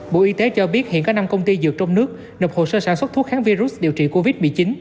bộ y tế cho biết hiện có năm công ty dược trong nước nộp hồ sơ sản xuất thuốc kháng virus điều trị covid một mươi chín